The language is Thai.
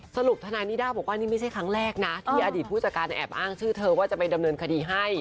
ทนายนิด้าบอกว่านี่ไม่ใช่ครั้งแรกนะที่อดีตผู้จัดการแอบอ้างชื่อเธอว่าจะไปดำเนินคดีให้